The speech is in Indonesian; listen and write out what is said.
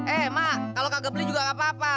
eh mak kalau kagak beli juga gak apa apa